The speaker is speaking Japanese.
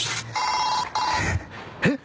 えっ！？